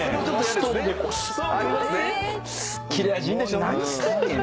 「もう何してんねん！」